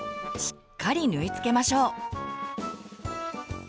しっかり縫いつけましょう。